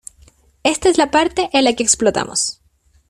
¡ Esta es la parte en la que explotamos!